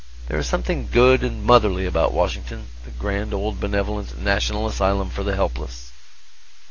There is something good and motherly about Washington, the grand old benevolent National Asylum for the Helpless.